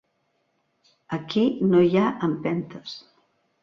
Aquí no hi ha empentes.